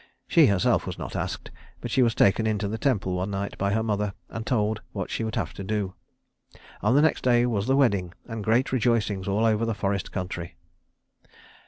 She herself was not asked; but she was taken into the temple one night by her mother and told what she would have to do. On the next day was the wedding and great rejoicings all over the forest country.